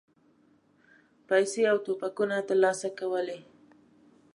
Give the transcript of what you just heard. پیسې او توپکونه ترلاسه کولې.